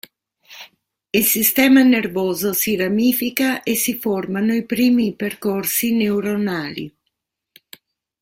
Il sistema nervoso si ramifica e si formano i primi percorsi neuronali.